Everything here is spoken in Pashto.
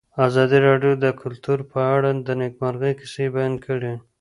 ازادي راډیو د کلتور په اړه د نېکمرغۍ کیسې بیان کړې.